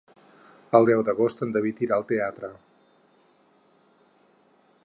El deu d'agost en David irà al teatre.